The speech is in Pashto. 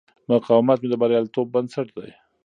مقاومت مې د بریالیتوب بنسټ دی.